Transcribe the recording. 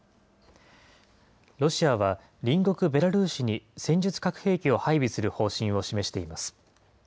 ロシアは隣国ベラルーシに戦術核兵器を配備する方針を示しています。